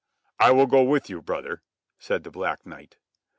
"I will go with you, brother," said the Black Knight.